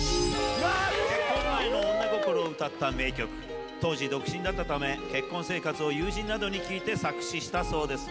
結婚前の女心を歌った当時、独身だったため、結婚生活を友人などに聞いて作詞したそうです。